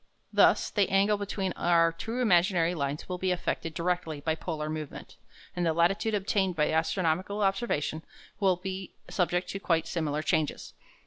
Thus the angle between our two imaginary lines will be affected directly by polar movement, and the latitude obtained by astronomical observation will be subject to quite similar changes.